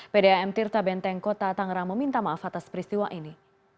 pdam tirta benteng kota tangerang meminta maaf atas peristiwa ini